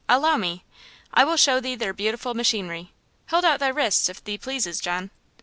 Allow me! I will show thee their beautiful machinery! Hold out thy wrists, if thee pleases, John.'